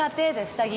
下着。